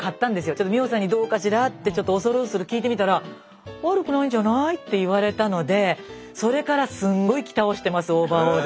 ちょっと美穂さんにどうかしらって恐る恐る聞いてみたら「悪くないんじゃない」って言われたのでそれからすんごい着倒してますオーバーオール。